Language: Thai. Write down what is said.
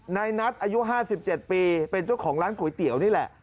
ในนัท์อายุห้าสิบเจ็ดปีเป็นเจ้าของร้านก๋วยเตี๋ยวนี่แหละ